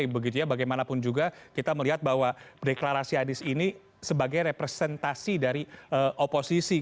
begitu ya bagaimanapun juga kita melihat bahwa deklarasi adis ini sebagai representasi dari oposisi